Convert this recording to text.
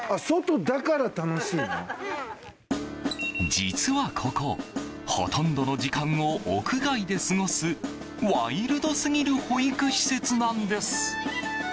実はここほとんどの時間を屋外で過ごすワイルドすぎる保育施設なんです。